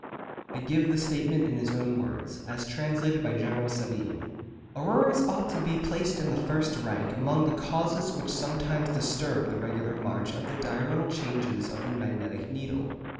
I give the statement in his own words, as translated by General Sabine:—'Auroras ought to be placed in the first rank among the causes which sometimes disturb the regular march of the diurnal changes of the magnetic needle.